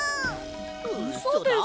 うそです。